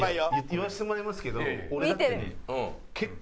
言わせてもらいますけど俺だってね結構。